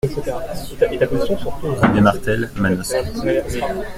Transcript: Rue des Martels, Manosque